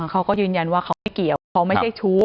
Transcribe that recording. เขาก็ยืนยันว่าเขาไม่เกี่ยวเขาไม่ใช่ชู้